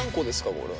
これは。